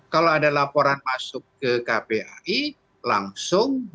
kalau ada laporan masuk ke kpai langsung muncul juga